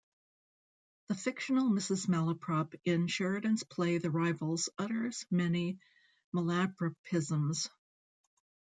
The fictional Mrs. Malaprop in Sheridan's play "The Rivals" utters many malapropisms.